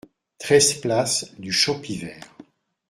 treize place du Champivert